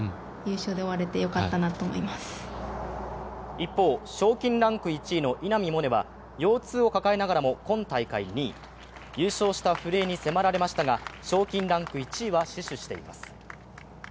一方、賞金ランク１位の稲見萌寧は腰痛を抱えながらも今大会２位。優勝した古江に迫られましたが、賞金ランク１位は死守しています。